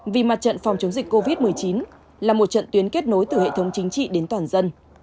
vì mặt trận phòng chống dịch covid một mươi chín là một trận tuyến kết nối từ hệ thống chính trị đến toàn dân